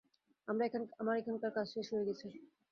আমার এখানকার কাজ শেষ হয়ে গেছে।